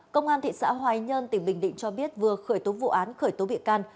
công an thị xã hoài nhơn tỉnh bình định cho biết vừa khởi tố vụ án khởi tố bị can